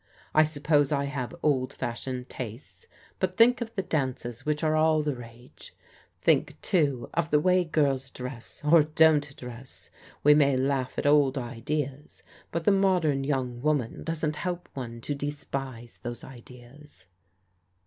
I suppose I have old fashioned tastes, but think of the dances which are all the rage. Think, too, of the waj girls dress, or don't dress. We may laugh at old ideaiy THE SUPPER PARTY 79 but the modem young woman doesn't help one to despise those ideas."